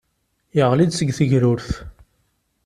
Yeɣli-d seg tegrurt.